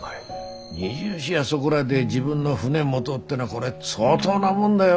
２４やそごらで自分の船持どうってのはこれ相当なもんだよ。